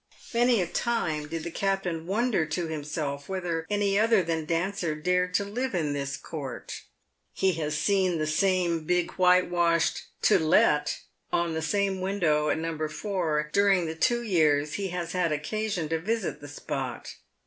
Many a time did the captain wonder to himself PAVED WITH GOLD. 201 whether any other than Dancer dared to live in this court. He has seen the same big whitewashed " TO LET " on the same window at No. 4 during the two years he has had occasion to visit the spot.